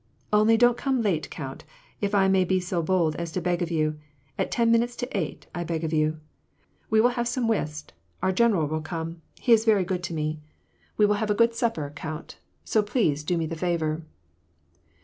" Only don't come late, count, if I may be so bold as to beg of you ; at ten minutes to eight, I beg of you. We will have some whist; our general will come, — he is veiy good to me. 218 ♦ WAii AND PEACE. We will haye a good supper, count So please do me the favor."